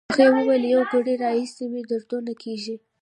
هغې وویل: له یو ګړی راهیسې مې دردونه کېږي.